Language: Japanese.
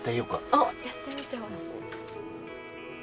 おっやってみてほしい。